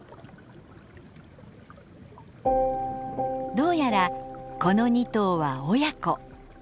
どうやらこの２頭は親子。